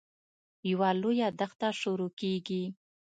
یوه لویه دښته شروع کېږي.